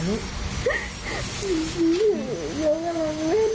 พ่อมือของหนู